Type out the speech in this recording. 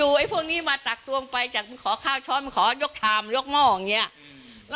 เรื่องรายได้แล้วแย้งลูกค้าอ่านี่แหละ